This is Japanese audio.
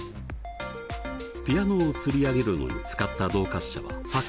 ピアノをつり上げるのに使った動滑車は８個。